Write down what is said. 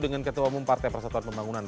dengan ketua umum partai persatuan pembangunan